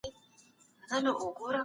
د دیجیټل پوهې لپاره روزنه اړینه ده.